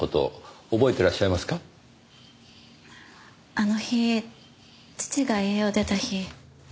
あの日父が家を出た日。